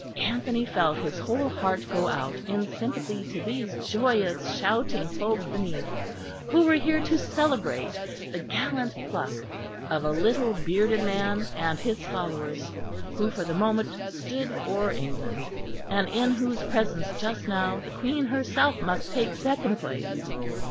Anthony felt his whole heart go out in sympathy to these joyous shouting folk beneath, who were here to celebrate the gallant pluck of a little bearded man and his followers, who for the moment stood for England, and in whose presence just now the Queen herself must take second place.